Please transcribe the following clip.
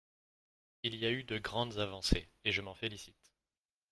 Il y a eu de grandes avancées, et je m’en félicite.